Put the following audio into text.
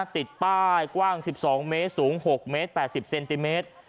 ติดป้ายกว้าง๑๒เมตรสูง๖เมตร๘๐เซนติเมตร